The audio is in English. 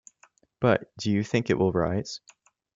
But do you think it will rise?